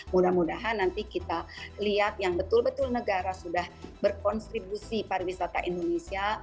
mudah mudahan nanti kita lihat yang betul betul negara sudah berkontribusi pariwisata indonesia